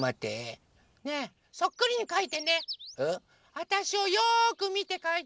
わたしをよくみてかいて。